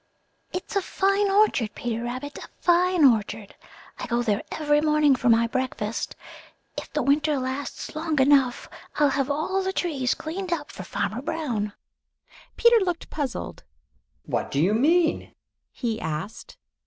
It's a fine orchard, Peter Rabbit, a fine orchard. I go there every morning for my breakfast. If the winter lasts long enough, I'll have all the trees cleaned up for Farmer Brown." Peter looked puzzled. "What do you mean?" he asked.